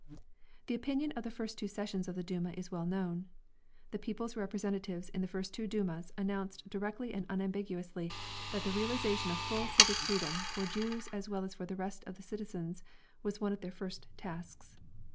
The opinion of the first two sessions of the Duma is well known. The People's representatives in the first two Dumas announced directly and unambiguously that the realisation of full civic freedom, for Jews as well as for the rest of the citizens, was one of their first tasks.